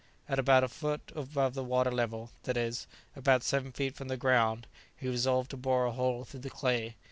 At about a foot above the water level, that is, about seven feet from the ground, he resolved to bore a hole through the clay.